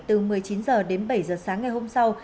từ một mươi chín h đến bảy h sáng ngày hôm sau